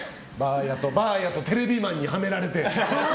ばあやとテレビマンにはめられて。